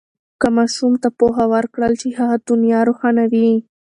که ماشوم ته پوهه ورکړل شي، هغه دنیا روښانوي.